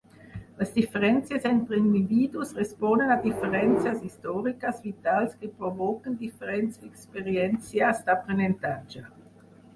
Les diferències entre individus responen a diferències històriques vitals que provoquen diferents experiències d'aprenentatge.